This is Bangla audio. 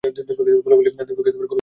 দুই পক্ষে গোলাগুলি চলতে থাকে।